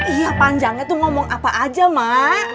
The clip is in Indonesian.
iya panjangnya tuh ngomong apa aja mak